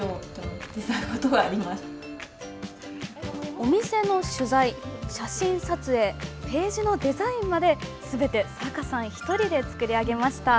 お店の取材、写真撮影ページのデザインまですべて坂さん１人で作り上げました。